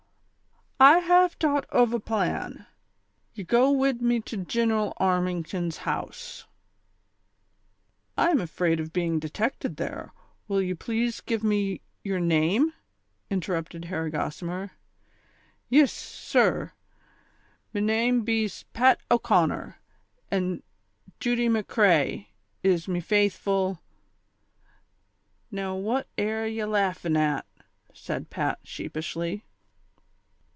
" I liave touglit ov a plan ; ye go wid me to Giueral Arm ington's house" —^ I am afraid of being detected there ; will you please give me your name ?" interrupted Harry Gossimer. " Yis, sir ; me name bees Pat O'Conner, an' Judy McCrca is me fathful , now what air ye laughin' at V " said Pat, sheepishly.